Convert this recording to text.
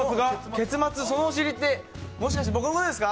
結末、そのお尻ってもしかして僕のことですか？